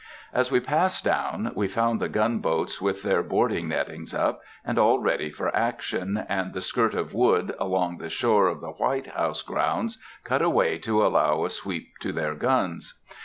As we passed down, we found the gunboats with their boarding nettings up, and all ready for action, and the skirt of wood along the shore of the White House grounds cut away to allow a sweep to their guns.